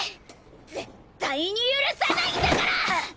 絶対に許さないんだから！！